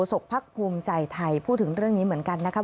ศกภักดิ์ภูมิใจไทยพูดถึงเรื่องนี้เหมือนกันนะครับ